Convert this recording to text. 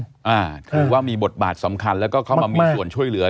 ถือว่ามีบทบาทสำคัญแล้วก็เข้ามามีส่วนช่วยเหลือ